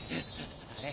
あれ？